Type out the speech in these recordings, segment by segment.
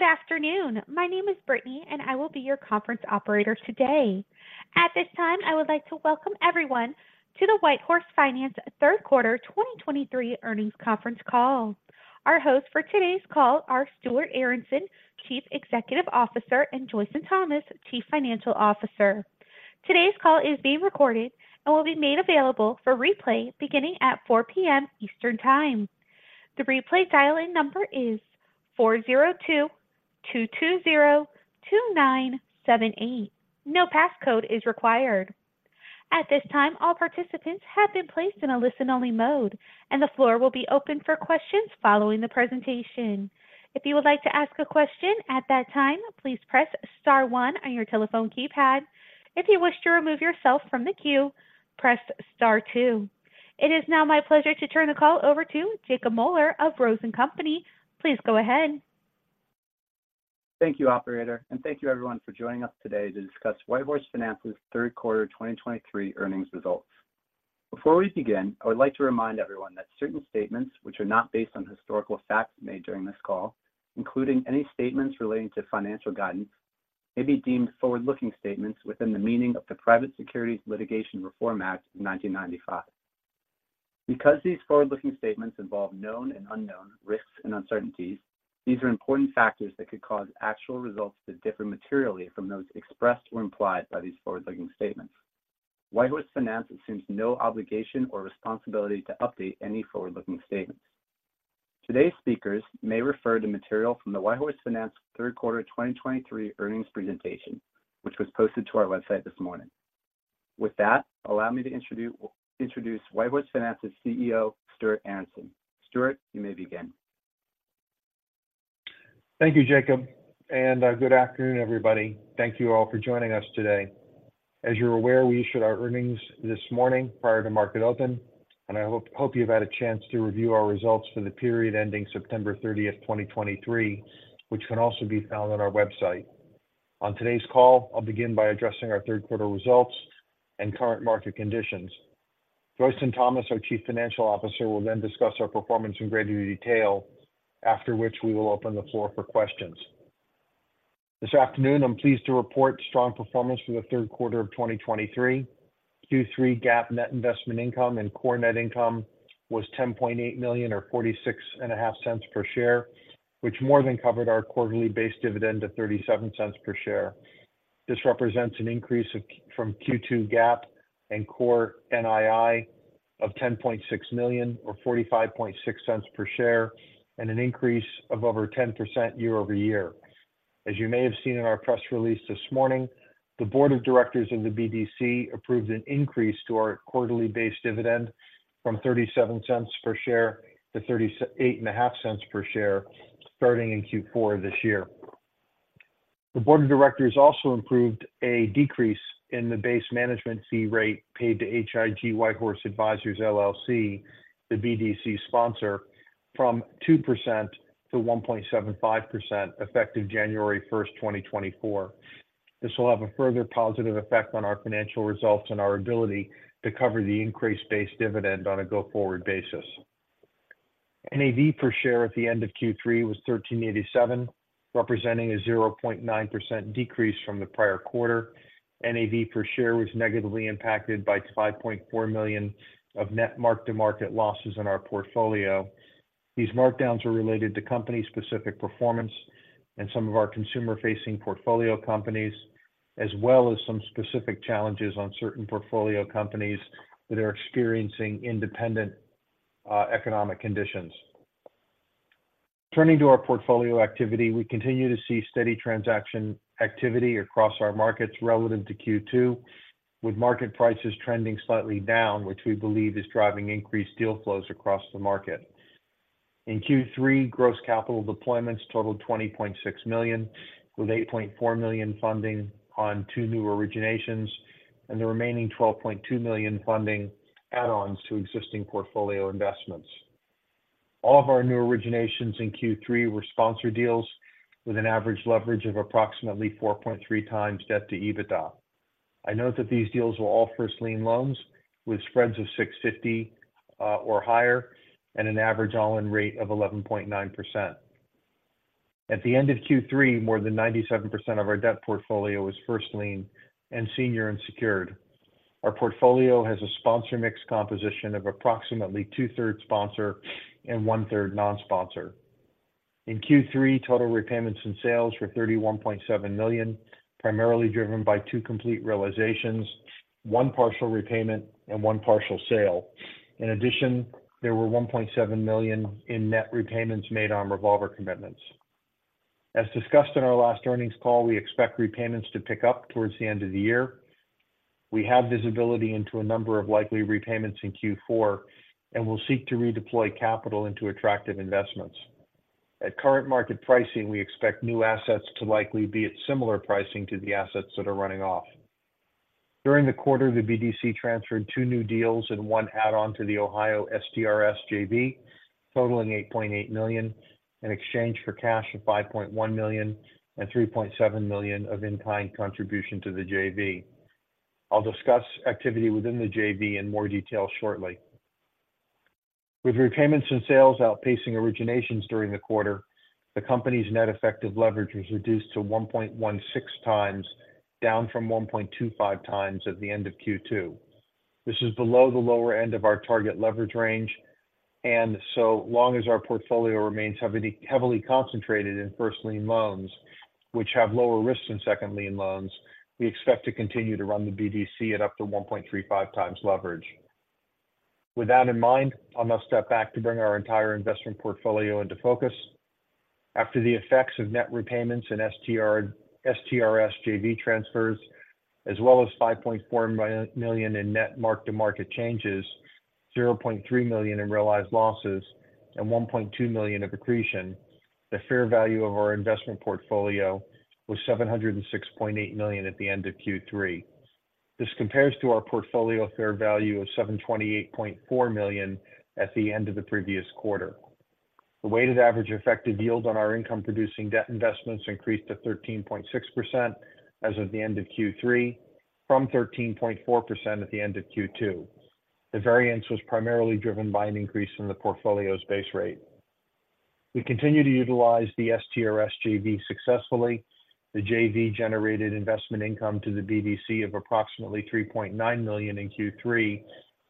Good afternoon. My name is Brittany, and I will be your conference operator today. At this time, I would like to welcome everyone to the WhiteHorse Finance Third Quarter 2023 Earnings Conference Call. Our hosts for today's call are Stuart Aronson, Chief Executive Officer, and Joyson Thomas, Chief Financial Officer. Today's call is being recorded and will be made available for replay beginning at 4:00 P.M. Eastern Time. The replay dial-in number is 402-220-2978. No passcode is required. At this time, all participants have been placed in a listen-only mode, and the floor will be open for questions following the presentation. If you would like to ask a question at that time, please press star one on your telephone keypad. If you wish to remove yourself from the queue, press star two. It is now my pleasure to turn the call over to Jacob Moeller of Rose & Company. Please go ahead. Thank you, operator, and thank you everyone for joining us today to discuss WhiteHorse Finance's Third Quarter 2023 Earnings Results. Before we begin, I would like to remind everyone that certain statements which are not based on historical facts made during this call, including any statements relating to financial guidance, may be deemed forward-looking statements within the meaning of the Private Securities Litigation Reform Act of 1995. Because these forward-looking statements involve known and unknown risks and uncertainties, these are important factors that could cause actual results to differ materially from those expressed or implied by these forward-looking statements. WhiteHorse Finance assumes no obligation or responsibility to update any forward-looking statements. Today's speakers may refer to material from the WhiteHorse Finance Third Quarter 2023 Earnings presentation, which was posted to our website this morning. With that, allow me to introduce WhiteHorse Finance's CEO, Stuart Aronson. Stuart, you may begin. Thank you, Jacob, and good afternoon, everybody. Thank you all for joining us today. As you're aware, we issued our earnings this morning prior to market open, and I hope you've had a chance to review our results for the period ending September 30th, 2023, which can also be found on our website. On today's call, I'll begin by addressing our third quarter results and current market conditions. Joyson Thomas, our Chief Financial Officer, will then discuss our performance in greater detail, after which we will open the floor for questions. This afternoon, I'm pleased to report strong performance for the third quarter of 2023. Q3 GAAP net investment income and core net income was $10.8 million, or $0.465 per share, which more than covered our quarterly base dividend of $0.37 per share. This represents an increase of from Q2 GAAP and core NII of $10.6 million or $0.456 per share, and an increase of over 10% year-over-year. As you may have seen in our press release this morning, the board of directors of the BDC approved an increase to our quarterly base dividend from $0.37 per share to $0.385 per share, starting in Q4 this year. The board of directors also approved a decrease in the base management fee rate paid to H.I.G. WhiteHorse Advisers, LLC, the BDC sponsor, from 2% to 1.75%, effective January 1st, 2024. This will have a further positive effect on our financial results and our ability to cover the increased base dividend on a go-forward basis. NAV per share at the end of Q3 was $13.87, representing a 0.9% decrease from the prior quarter. NAV per share was negatively impacted by $5.4 million of net mark-to-market losses in our portfolio. These markdowns are related to company-specific performance and some of our consumer-facing portfolio companies, as well as some specific challenges on certain portfolio companies that are experiencing independent economic conditions. Turning to our portfolio activity, we continue to see steady transaction activity across our markets relevant to Q2, with market prices trending slightly down, which we believe is driving increased deal flows across the market. In Q3, gross capital deployments totaled $20.6 million, with $8.4 million funding on two new originations and the remaining $12.2 million funding add-ons to existing portfolio investments. All of our new originations in Q3 were sponsored deals with an average leverage of approximately 4.3x debt-to-EBITDA. I note that these deals were all first lien loans with spreads of 650 or higher, and an average all-in rate of 11.9%. At the end of Q3, more than 97% of our debt portfolio was first lien and senior unsecured. Our portfolio has a sponsor mix composition of approximately 2/3 sponsor and 1/3 non-sponsor. In Q3, total repayments in sales were $31.7 million, primarily driven by two complete realizations, one partial repayment, and one partial sale. In addition, there were $1.7 million in net repayments made on revolver commitments. As discussed in our last earnings call, we expect repayments to pick up towards the end of the year. We have visibility into a number of likely repayments in Q4 and will seek to redeploy capital into attractive investments. At current market pricing, we expect new assets to likely be at similar pricing to the assets that are running off. During the quarter, the BDC transferred two new deals and one add-on to the Ohio STRS JV, totaling $8.8 million, in exchange for cash of $5.1 million and $3.7 million of in-kind contribution to the JV. I'll discuss activity within the JV in more detail shortly. With repayments and sales outpacing originations during the quarter, the company's net effective leverage was reduced to 1.16x, down from 1.25x at the end of Q2. This is below the lower end of our target leverage range, and so long as our portfolio remains heavily, heavily concentrated in first lien loans, which have lower risks than second lien loans, we expect to continue to run the BDC at up to 1.35x leverage. With that in mind, I'll now step back to bring our entire investment portfolio into focus. After the effects of net repayments and STRS JV transfers, as well as $5.4 million in net mark-to-market changes, $0.3 million in realized losses, and $1.2 million of accretion, the fair value of our investment portfolio was $706.8 million at the end of Q3. This compares to our portfolio fair value of $728.4 million at the end of the previous quarter. The weighted average effective yield on our income-producing debt investments increased to 13.6% as of the end of Q3, from 13.4% at the end of Q2. The variance was primarily driven by an increase in the portfolio's base rate. We continue to utilize the STRS JV successfully. The JV generated investment income to the BDC of approximately $3.9 million in Q3,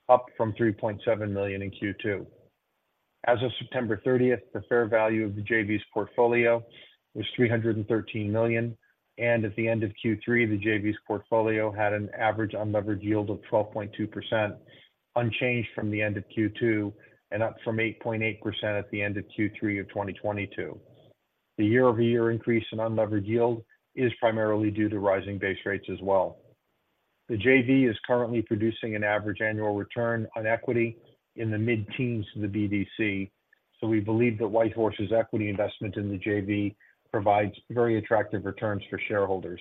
up from $3.7 million in Q2. As of September 30th, the fair value of the JV's portfolio was $313 million, and at the end of Q3, the JV's portfolio had an average unlevered yield of 12.2%, unchanged from the end of Q2 and up from 8.8% at the end of Q3 of 2022. The year-over-year increase in unlevered yield is primarily due to rising base rates as well. The JV is currently producing an average annual return on equity in the mid-teens to the BDC, so we believe that WhiteHorse's equity investment in the JV provides very attractive returns for shareholders.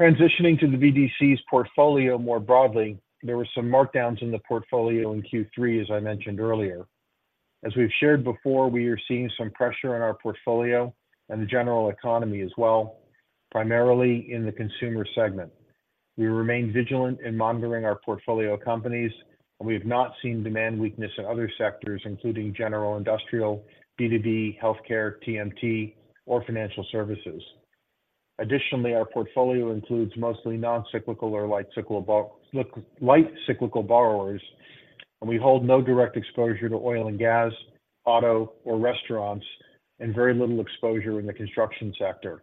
Transitioning to the BDC's portfolio more broadly, there were some markdowns in the portfolio in Q3, as I mentioned earlier. As we've shared before, we are seeing some pressure on our portfolio and the general economy as well, primarily in the consumer segment. We remain vigilant in monitoring our portfolio companies, and we have not seen demand weakness in other sectors, including general industrial, B2B, healthcare, TMT, or financial services. Additionally, our portfolio includes mostly non-cyclical or light cyclical borrowers, and we hold no direct exposure to oil and gas, auto or restaurants, and very little exposure in the construction sector.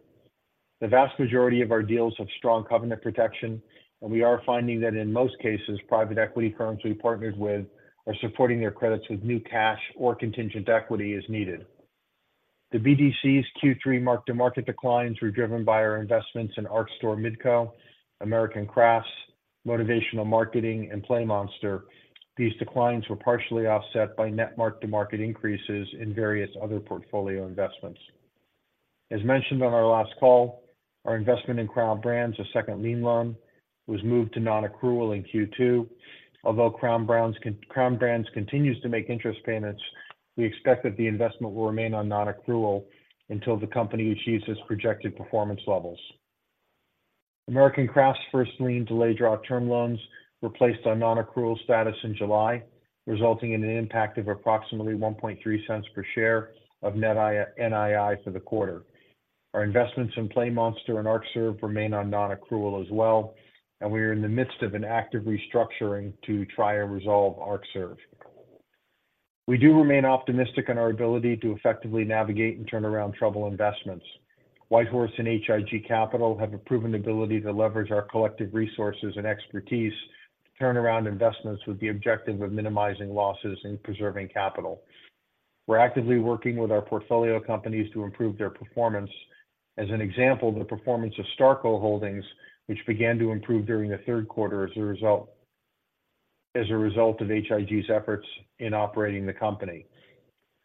The vast majority of our deals have strong covenant protection, and we are finding that in most cases, private equity firms we partnered with are supporting their credits with new cash or contingent equity as needed. The BDC's Q3 mark-to-market declines were driven by our investments in Arcserve Midco, American Crafts, Multinational Marketing and PlayMonster. These declines were partially offset by net mark-to-market increases in various other portfolio investments. As mentioned on our last call, our investment in Crown Brands, a second lien loan, was moved to non-accrual in Q2. Although Crown Brands continues to make interest payments, we expect that the investment will remain on non-accrual until the company achieves its projected performance levels. American Crafts first lien delayed draw term loans were placed on non-accrual status in July, resulting in an impact of approximately $0.013 per share of net NII for the quarter. Our investments in PlayMonster and Arcserve remain on non-accrual as well, and we are in the midst of an active restructuring to try and resolve Arcserve. We do remain optimistic in our ability to effectively navigate and turn around troubled investments. WhiteHorse and H.I.G. Capital have a proven ability to leverage our collective resources and expertise to turn around investments with the objective of minimizing losses and preserving capital. We're actively working with our portfolio companies to improve their performance. As an example, the performance of Starco Holdings, which began to improve during the third quarter as a result of H.I.G.'s efforts in operating the company.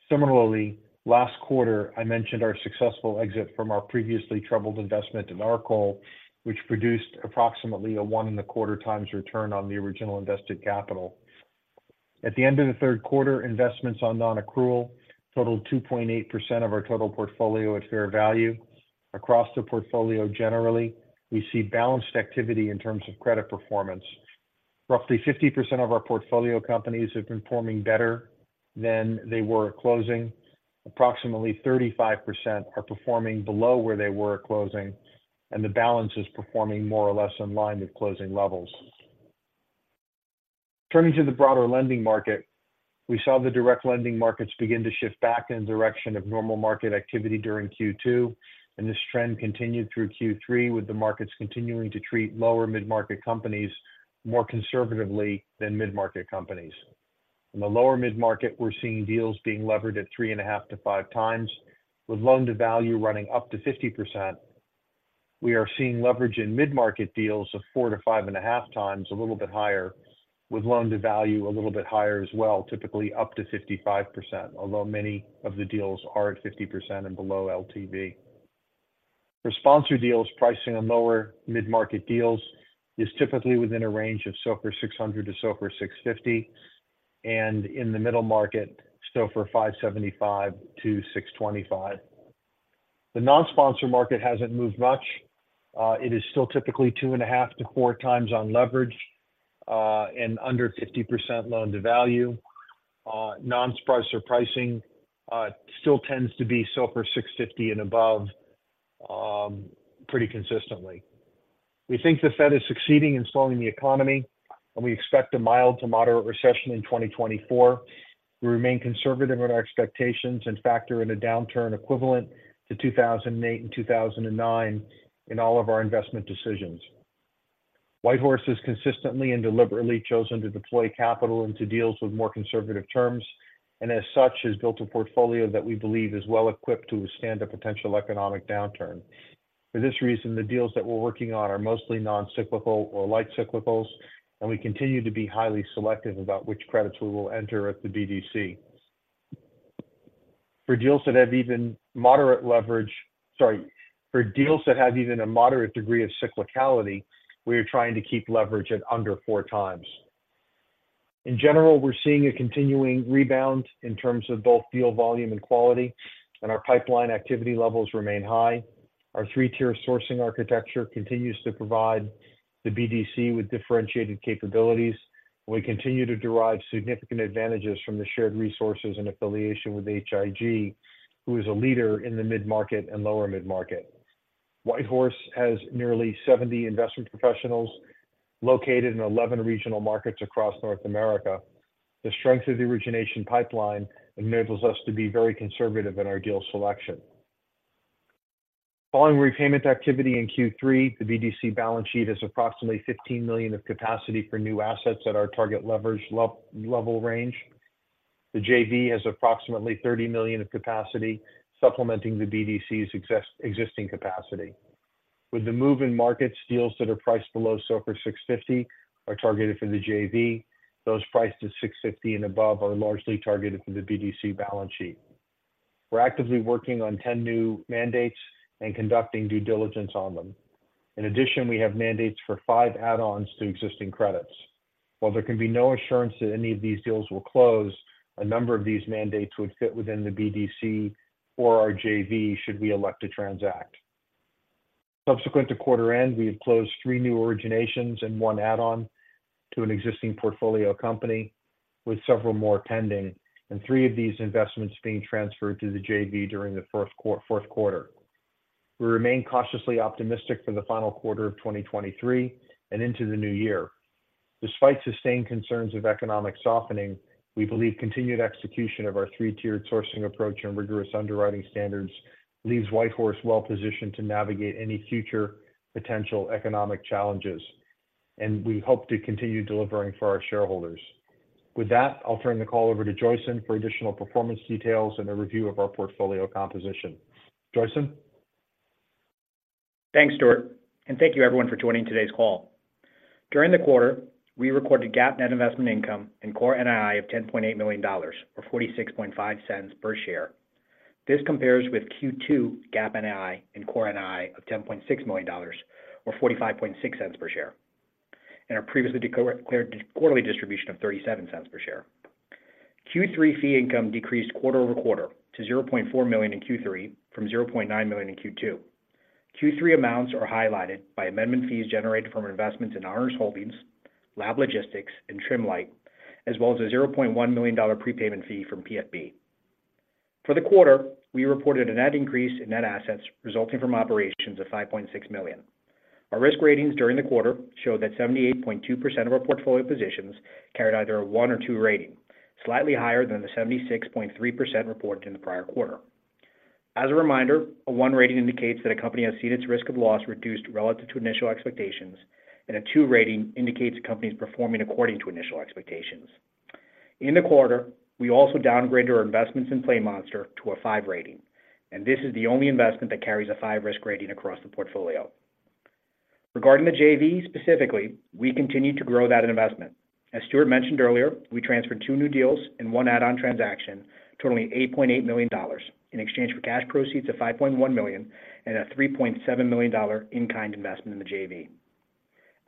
Similarly, last quarter, I mentioned our successful exit from our previously troubled investment in Argo, which produced approximately a 1.25x return on the original invested capital. At the end of the third quarter, investments on non-accrual totaled 2.8% of our total portfolio at fair value. Across the portfolio, generally, we see balanced activity in terms of credit performance. Roughly 50% of our portfolio companies are performing better than they were at closing. Approximately 35% are performing below where they were at closing, and the balance is performing more or less in line with closing levels. Turning to the broader lending market, we saw the direct lending markets begin to shift back in the direction of normal market activity during Q2, and this trend continued through Q3, with the markets continuing to treat lower mid-market companies more conservatively than mid-market companies. In the lower mid-market, we're seeing deals being levered at 3.5x-5x, with loan-to-value running up to 50%. We are seeing leverage in mid-market deals of 4x-5.5x, a little bit higher, with loan-to-value a little bit higher as well, typically up to 55%, although many of the deals are at 50% and below LTV. For sponsor deals, pricing on lower mid-market deals is typically within a range of SOFR 600-SOFR 650, and in the middle market, SOFR 575-625. The non-sponsor market hasn't moved much. It is still typically 2.5x-4x on leverage, and under 50% loan to value. Non-sponsor pricing still tends to be SOFR 650 and above, pretty consistently. We think the Fed is succeeding in slowing the economy, and we expect a mild to moderate recession in 2024. We remain conservative in our expectations and factor in a downturn equivalent to 2008 and 2009 in all of our investment decisions. WhiteHorse has consistently and deliberately chosen to deploy capital into deals with more conservative terms, and as such, has built a portfolio that we believe is well equipped to withstand a potential economic downturn. For this reason, the deals that we're working on are mostly non-cyclical or light cyclicals, and we continue to be highly selective about which credits we will enter at the BDC. For deals that have even moderate leverage. Sorry, for deals that have even a moderate degree of cyclicality, we are trying to keep leverage at under 4x. In general, we're seeing a continuing rebound in terms of both deal volume and quality, and our pipeline activity levels remain high. Our three-tier sourcing architecture continues to provide the BDC with differentiated capabilities, and we continue to derive significant advantages from the shared resources and affiliation with HIG, who is a leader in the mid-market and lower mid-market. WhiteHorse has nearly 70 investment professionals located in 11 regional markets across North America. The strength of the origination pipeline enables us to be very conservative in our deal selection. Following repayment activity in Q3, the BDC balance sheet has approximately $15 million of capacity for new assets at our target leverage level range. The JV has approximately $30 million of capacity, supplementing the BDC's existing capacity. With the move in markets, deals that are priced below SOFR 6.50 are targeted for the JV. Those priced at 6.50 and above are largely targeted for the BDC balance sheet. We're actively working on 10 new mandates and conducting due diligence on them. In addition, we have mandates for five add-ons to existing credits. While there can be no assurance that any of these deals will close, a number of these mandates would fit within the BDC or our JV, should we elect to transact. Subsequent to quarter end, we have closed three new originations and one add-on to an existing portfolio company, with several more pending, and three of these investments being transferred to the JV during the fourth quarter. We remain cautiously optimistic for the final quarter of 2023 and into the new year. Despite sustained concerns of economic softening, we believe continued execution of our three-tiered sourcing approach and rigorous underwriting standards leaves WhiteHorse well positioned to navigate any future potential economic challenges, and we hope to continue delivering for our shareholders. With that, I'll turn the call over to Joyson for additional performance details and a review of our portfolio composition. Joyson? Thanks, Stuart, and thank you everyone for joining today's call. During the quarter, we recorded GAAP net investment income and Core NII of $10.8 million, or $0.465 per share. This compares with Q2 GAAP NII and Core NII of $10.6 million, or $0.456 per share, and our previously declared quarterly distribution of $0.37 per share. Q3 fee income decreased quarter-over-quarter to $0.4 million in Q3 from $0.9 million in Q2. Q3 amounts are highlighted by amendment fees generated from investments in Ardurra Holdings, Lab Logistics, and Trimlight, as well as a $0.1 million prepayment fee from PFS. For the quarter, we reported a net increase in net assets resulting from operations of $5.6 million. Our risk ratings during the quarter showed that 78.2% of our portfolio positions carried either a one or two rating, slightly higher than the 76.3% reported in the prior quarter. As a reminder, a one rating indicates that a company has seen its risk of loss reduced relative to initial expectations, and a two rating indicates a company is performing according to initial expectations. In the quarter, we also downgraded our investments in PlayMonster to a five rating, and this is the only investment that carries a five risk rating across the portfolio. Regarding the JV specifically, we continued to grow that investment. As Stuart mentioned earlier, we transferred two new deals and one add-on transaction, totaling $8.8 million, in exchange for cash proceeds of $5.1 million and a $3.7 million in-kind investment in the JV.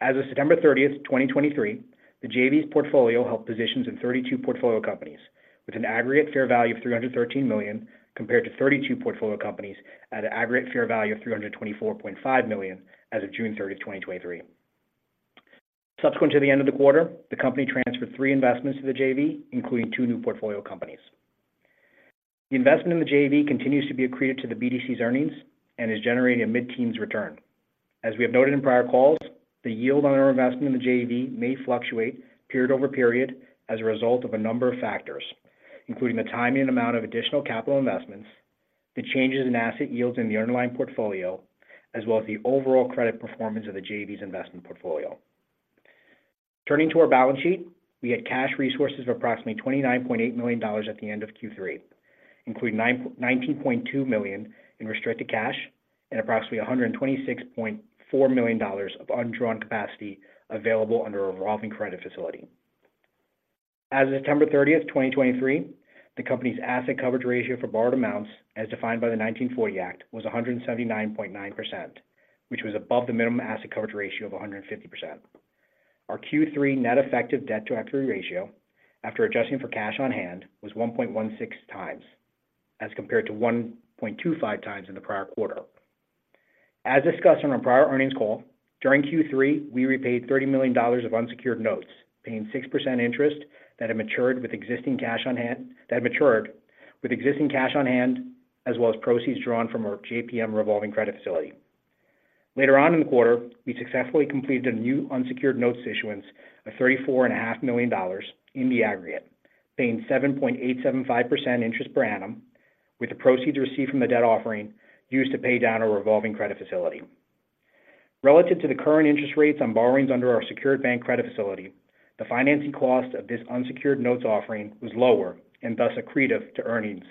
As of September 30th, 2023, the JV's portfolio held positions in 32 portfolio companies, with an aggregate fair value of $313 million, compared to 32 portfolio companies at an aggregate fair value of $324.5 million as of June 30th, 2023. Subsequent to the end of the quarter, the company transferred three investments to the JV, including two new portfolio companies. The investment in the JV continues to be accreted to the BDC's earnings and is generating a mid-teens return. As we have noted in prior calls, the yield on our investment in the JV may fluctuate period over period as a result of a number of factors, including the timing and amount of additional capital investments, the changes in asset yields in the underlying portfolio, as well as the overall credit performance of the JV's investment portfolio. Turning to our balance sheet, we had cash resources of approximately $29.8 million at the end of Q3, including $19.2 million in restricted cash and approximately $126.4 million of undrawn capacity available under a revolving credit facility. As of September 30th, 2023, the company's asset coverage ratio for borrowed amounts, as defined by the 1940 Act, was 179.9%, which was above the minimum asset coverage ratio of 150%. Our Q3 net effective debt to equity ratio, after adjusting for cash on hand, was 1.16x, as compared to 1.25x in the prior quarter. As discussed on our prior earnings call, during Q3, we repaid $30 million of unsecured notes, paying 6% interest that had matured with existing cash on hand, as well as proceeds drawn from our JPM revolving credit facility. Later on in the quarter, we successfully completed a new unsecured notes issuance of $34.5 million in the aggregate, paying 7.875% interest per annum, with the proceeds received from the debt offering used to pay down our revolving credit facility. Relative to the current interest rates on borrowings under our secured bank credit facility, the financing cost of this unsecured notes offering was lower and thus accretive to earnings,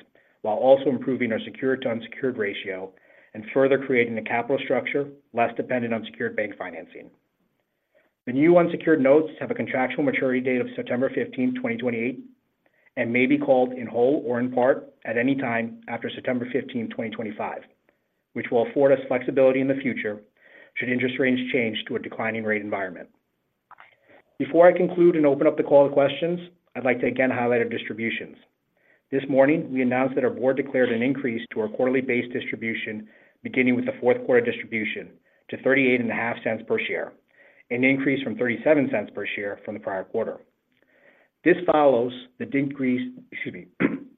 while also improving our secured-to-unsecured ratio and further creating a capital structure less dependent on secured bank financing. The new unsecured notes have a contractual maturity date of September 15th, 2028, and may be called in whole or in part at any time after September 15th, 2025, which will afford us flexibility in the future should interest rates change to a declining rate environment. Before I conclude and open up the call to questions, I'd like to again highlight our distributions. This morning, we announced that our board declared an increase to our quarterly base distribution, beginning with the fourth quarter distribution, to $0.385 per share, an increase from $0.37 per share from the prior quarter. This follows the decrease. Excuse me.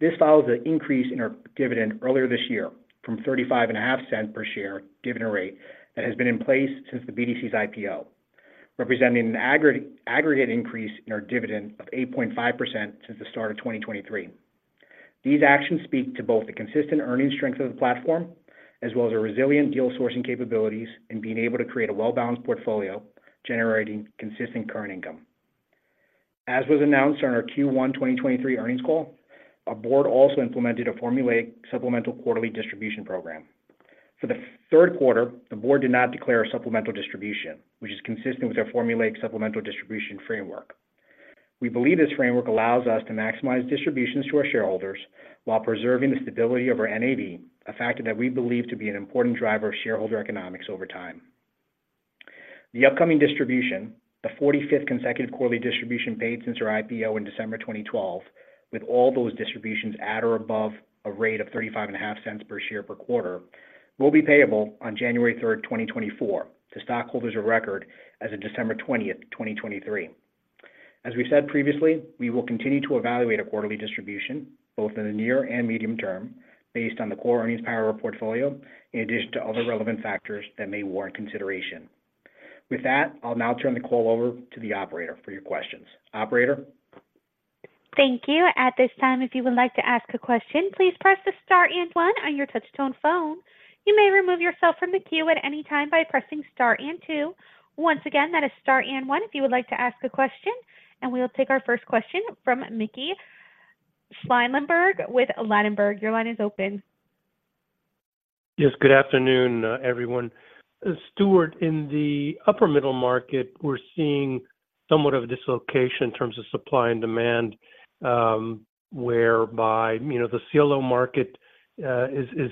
This follows an increase in our dividend earlier this year from $0.355 per share dividend rate that has been in place since the BDC's IPO, representing an aggregate increase in our dividend of 8.5% since the start of 2023. These actions speak to both the consistent earnings strength of the platform, as well as our resilient deal sourcing capabilities and being able to create a well-balanced portfolio, generating consistent current income. As was announced on our Q1 2023 earnings call, our board also implemented a formulaic supplemental quarterly distribution program. For the third quarter, the board did not declare a supplemental distribution, which is consistent with our formulaic supplemental distribution framework. We believe this framework allows us to maximize distributions to our shareholders while preserving the stability of our NAV, a factor that we believe to be an important driver of shareholder economics over time. The upcoming distribution, the 45th consecutive quarterly distribution paid since our IPO in December 2012, with all those distributions at or above a rate of $0.355 per share per quarter, will be payable on January 3rd, 2024, to stockholders of record as of December 20th, 2023. As we said previously, we will continue to evaluate our quarterly distribution, both in the near and medium term, based on the core earnings power of our portfolio, in addition to other relevant factors that may warrant consideration. With that, I'll now turn the call over to the operator for your questions. Operator? Thank you. At this time, if you would like to ask a question, please press the star and one on your touchtone phone. You may remove yourself from the queue at any time by pressing star and two. Once again, that is star and one if you would like to ask a question, and we will take our first question from Mickey Schleien with Ladenburg. Your line is open. Yes, good afternoon, everyone. Stuart, in the upper middle market, we're seeing somewhat of a dislocation in terms of supply and demand, whereby, you know, the CLO market is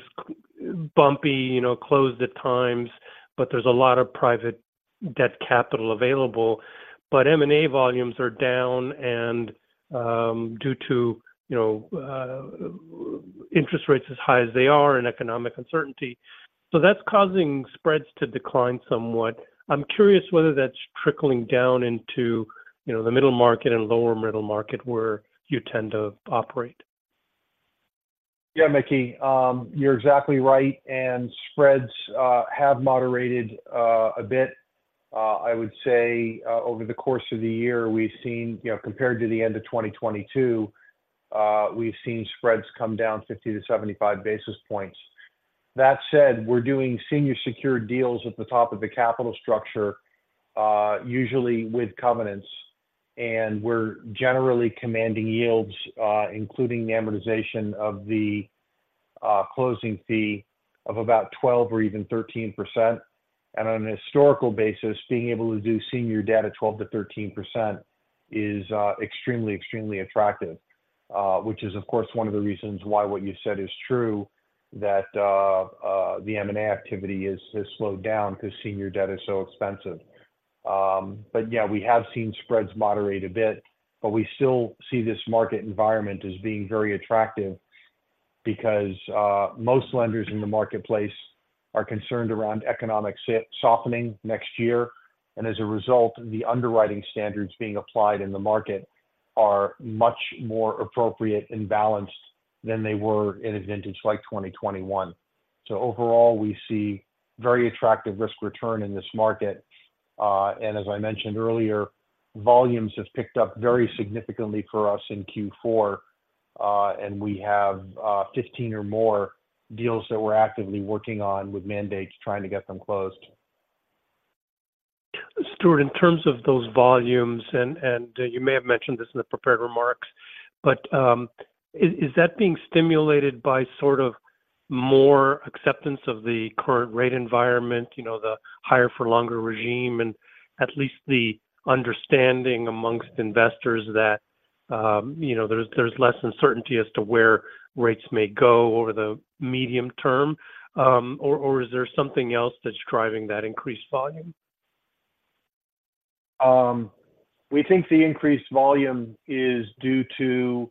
bumpy, you know, closed at times, but there's a lot of private debt capital available. But M&A volumes are down and, due to, you know, interest rates as high as they are and economic uncertainty. So that's causing spreads to decline somewhat. I'm curious whether that's trickling down into, you know, the middle market and lower middle market, where you tend to operate. Yeah, Mickey, you're exactly right, and spreads have moderated a bit. I would say over the course of the year, we've seen—you know, compared to the end of 2022, we've seen spreads come down 50-75 basis points. That said, we're doing senior secured deals at the top of the capital structure, usually with covenants, and we're generally commanding yields, including the amortization of the closing fee of about 12% or even 13%. And on a historical basis, being able to do senior debt at 12%-13% is extremely, extremely attractive. Which is, of course, one of the reasons why what you said is true, that the M&A activity has slowed down because senior debt is so expensive. But yeah, we have seen spreads moderate a bit, but we still see this market environment as being very attractive because most lenders in the marketplace are concerned around economic softening next year. And as a result, the underwriting standards being applied in the market are much more appropriate and balanced than they were in a vintage like 2021. So overall, we see very attractive risk return in this market. And as I mentioned earlier, volumes have picked up very significantly for us in Q4, and we have 15 or more deals that we're actively working on with mandates, trying to get them closed. Stuart, in terms of those volumes, and you may have mentioned this in the prepared remarks, but is that being stimulated by sort of more acceptance of the current rate environment, you know, the higher for longer regime, and at least the understanding amongst investors that you know, there's less uncertainty as to where rates may go over the medium term, or is there something else that's driving that increased volume? We think the increased volume is due to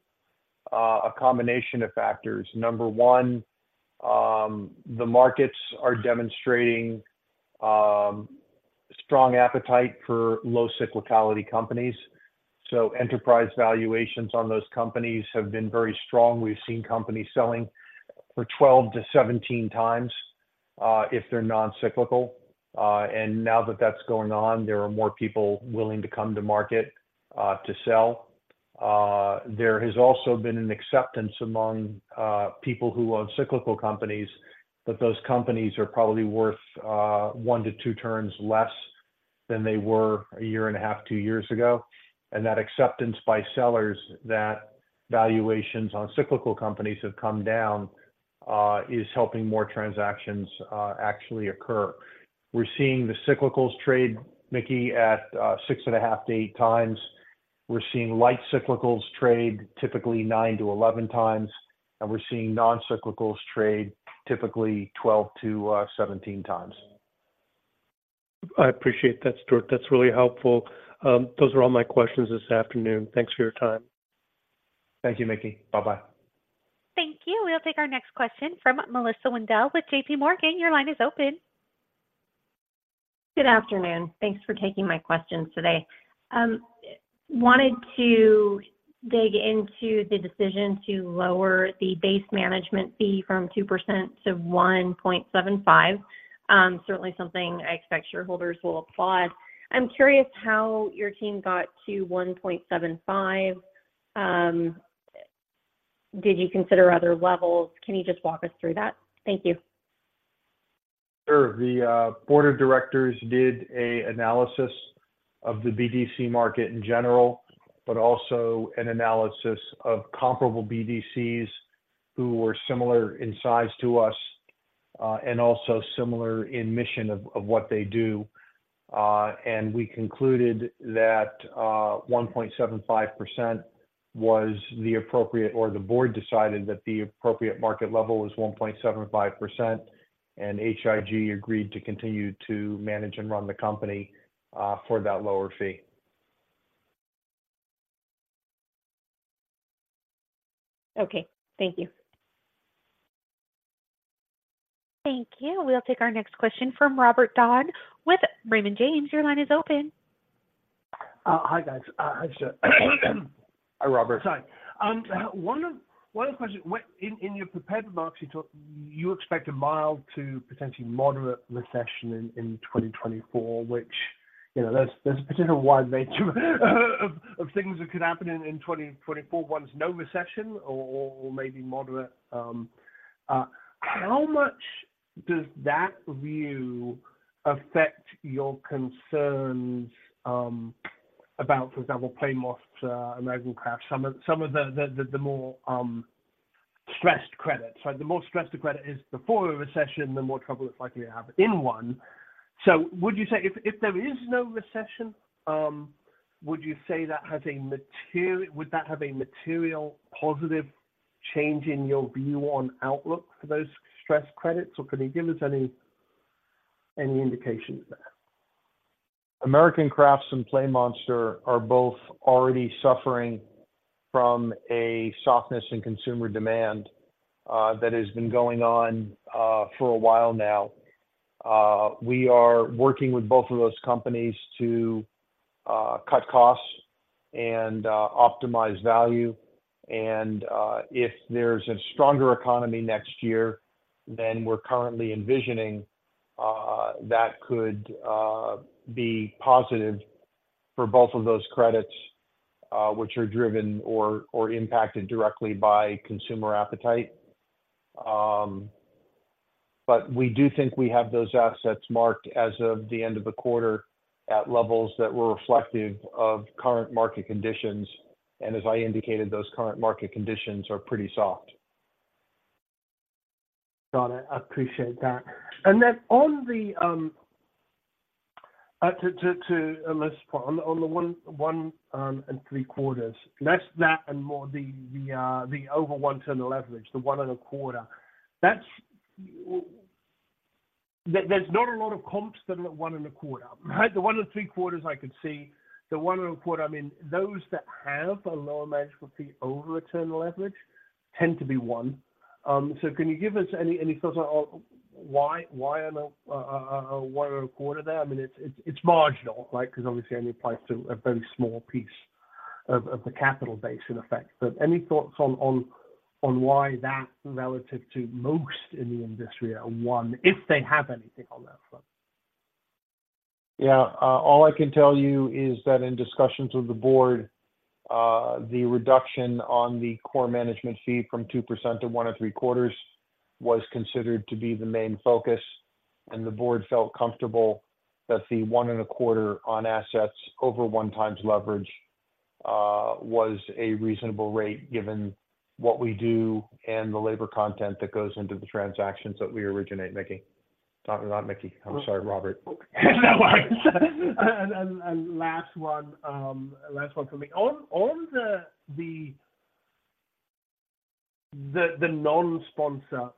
a combination of factors. Number one, the markets are demonstrating strong appetite for low cyclicality companies, so enterprise valuations on those companies have been very strong. We've seen companies selling for 12x-17x if they're non-cyclical. Now that that's going on, there are more people willing to come to market to sell. There has also been an acceptance among people who own cyclical companies, that those companies are probably worth one-two turns less than they were one and a half-two years ago. That acceptance by sellers, that valuations on cyclical companies have come down, is helping more transactions actually occur. We're seeing the cyclicals trade, Mickey, at 6.5x-8x. We're seeing light cyclicals trade, typically 9x-11x, and we're seeing non-cyclicals trade, typically 12x-17x. I appreciate that, Stuart. That's really helpful. Those are all my questions this afternoon. Thanks for your time. Thank you, Mickey. Bye-bye. Thank you. We'll take our next question from Melissa Wedel with JPMorgan. Your line is open. Good afternoon. Thanks for taking my questions today. Wanted to dig into the decision to lower the base management fee from 2% to 1.75%. Certainly something I expect shareholders will applaud. I'm curious how your team got to 1.75%. Did you consider other levels? Can you just walk us through that? Thank you. Sure. The board of directors did an analysis of the BDC market in general, but also an analysis of comparable BDCs who were similar in size to us, and also similar in mission of what they do. And we concluded that 1.75% was the appropriate, or the board decided that the appropriate market level was 1.75%, and HIG agreed to continue to manage and run the company for that lower fee. Okay. Thank you. Thank you. We'll take our next question from Robert Dodd with Raymond James. Your line is open. Hi, guys. Hi, Stuart. Hi, Robert. Sorry. One of the questions... In your prepared remarks, you talked, you expect a mild to potentially moderate recession in 2024, which, you know, there's a potential wide range of things that could happen in 2024. One is no recession or maybe moderate. How much does that view affect your concerns about, for example, PlayMonster, American Crafts, some of the more stressed credits? So the more stressed the credit is before a recession, the more trouble it's likely to have in one. So would you say if there is no recession, would that have a material positive change in your view on outlook for those stressed credits, or can you give us any indications there? American Crafts and PlayMonster are both already suffering from a softness in consumer demand, that has been going on, for a while now. We are working with both of those companies to, cut costs and, optimize value, and, if there's a stronger economy next year, then we're currently envisioning, that could, be positive for both of those credits, which are driven or, or impacted directly by consumer appetite. But we do think we have those assets marked as of the end of the quarter, at levels that were reflective of current market conditions, and as I indicated, those current market conditions are pretty soft. Got it. I appreciate that. And then on the 1.75, that's more than the over one turn leverage, the 1.25. That's... There's not a lot of comps that are at 1.25, right? The 1.75, I could see. The 1.25, I mean, those that have a lower management fee over a turn leverage tend to be one. So can you give us any thoughts on why the 0.25 there? I mean, it's marginal, like, because obviously only applies to a very small piece of the capital base in effect. But any thoughts on why that relative to most in the industry are one, if they have anything on that front? Yeah. All I can tell you is that in discussions with the board, the reduction on the core management fee from 2% to 1.75% was considered to be the main focus, and the board felt comfortable that the 1.25% on assets over 1x leverage was a reasonable rate, given what we do and the labor content that goes into the transactions that we originate, Mickey. Not Mickey, I'm sorry, Robert. No worries. Last one from me. On the non-sponsor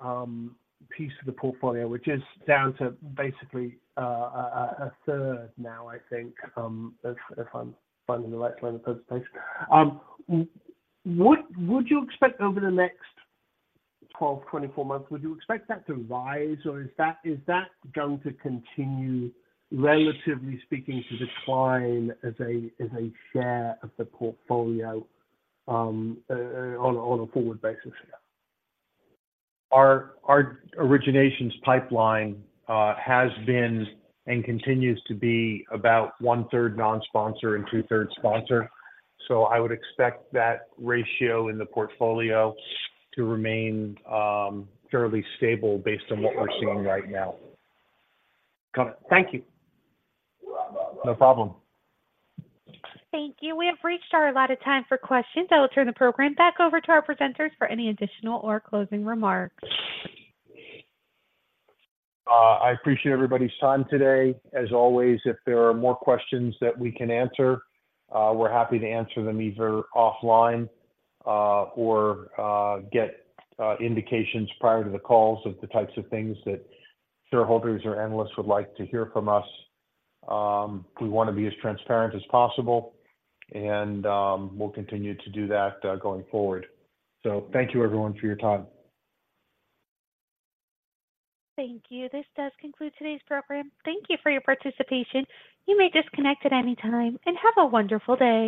piece of the portfolio, which is down to basically a third now, I think, if I'm finding the right line of participation. Would you expect over the next 12-24 months that to rise, or is that going to continue, relatively speaking, to decline as a share of the portfolio, on a forward basis here? Our originations pipeline has been and continues to be about 1/3 non-sponsor and 2/3 sponsor. So I would expect that ratio in the portfolio to remain fairly stable based on what we're seeing right now. Got it. Thank you. No problem. Thank you. We have reached our allotted time for questions. I will turn the program back over to our presenters for any additional or closing remarks. I appreciate everybody's time today. As always, if there are more questions that we can answer, we're happy to answer them either offline, or get indications prior to the calls of the types of things that shareholders or analysts would like to hear from us. We wanna be as transparent as possible, and we'll continue to do that, going forward. So thank you, everyone, for your time. Thank you. This does conclude today's program. Thank you for your participation. You may disconnect at any time, and have a wonderful day.